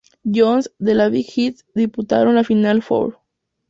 John's, de la Big East, disputaron la Final Four.